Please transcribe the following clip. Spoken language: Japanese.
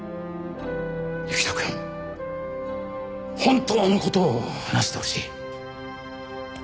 行人くん本当の事を話してほしい。